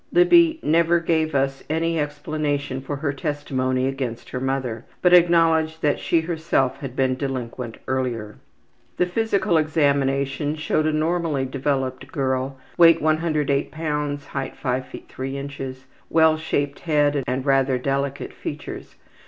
Libby never gave us any explanation for her testimony against her mother, but acknowledged that she herself had been delinquent earlier. The physical examination showed a normally developed girl: weight 108 lbs.; height 5 ft. 3 in. Well shaped head and rather delicate features.